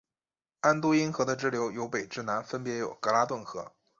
安都因河的支流由北至南分别有格拉顿河。